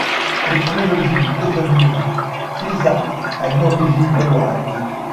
L'étymologie du toponyme Thiézac a une origine gauloise.